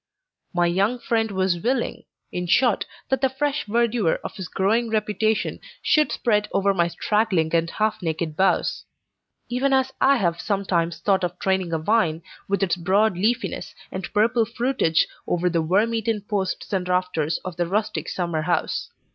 My young friend was willing, in short, that the fresh verdure of his growing reputation should spread over my straggling and half naked boughs; even as I have sometimes thought of training a vine, with its broad leafiness, and purple fruitage, over the worm eaten posts and rafters of the rustic summer house.